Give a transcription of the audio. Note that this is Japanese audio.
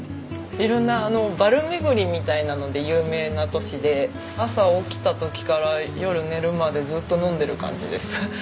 色んなバル巡りみたいなので有名な都市で朝起きた時から夜寝るまでずっと飲んでる感じです。